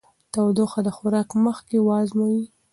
تودوخه د خوراک مخکې وازمویئ.